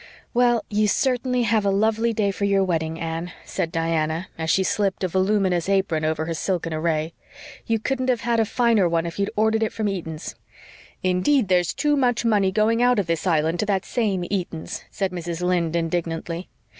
"Well, you certainly have a lovely day for your wedding, Anne," said Diana, as she slipped a voluminous apron over her silken array. "You couldn't have had a finer one if you'd ordered it from Eaton's." "Indeed, there's too much money going out of this Island to that same Eaton's," said Mrs. Lynde indignantly.